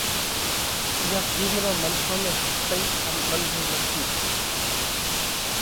اِيئا قُوم رون منکون ۾ ۿپتئِي ان ٻنڌئِي نٿِي